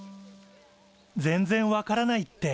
全然分からないって。